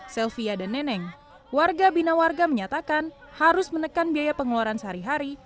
sylvia dan neneng warga bina warga menyatakan harus menekan biaya pengeluaran sehari hari